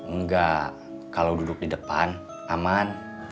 enggak kalau duduk di depan aman